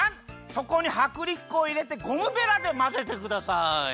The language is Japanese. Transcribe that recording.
そこにはくりき粉をいれてゴムベラでまぜてください。